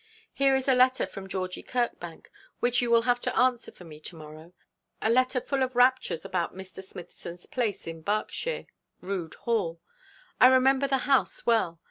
Here is a letter from Georgie Kirkbank which you will have to answer for me to morrow a letter full of raptures about Mr. Smithson's place in Berkshire, Rood Hall. I remember the house well.